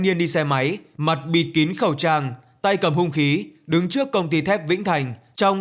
niên đi xe máy mặt bịt kín khẩu trang tay cầm hung khí đứng trước công ty thép vĩnh thành trong